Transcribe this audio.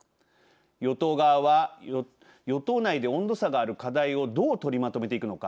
与党側は与党内で温度差がある課題をどう取りまとめていくのか。